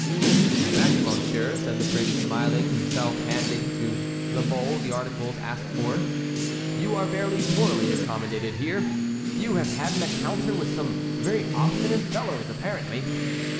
"In fact, monsieur," said the prince, smiling, himself handing to La Mole the articles asked for, "you are very poorly accommodated here. You have had an encounter with some very obstinate fellows, apparently!"